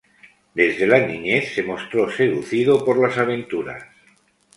Desde la niñez se mostró seducido por las aventuras.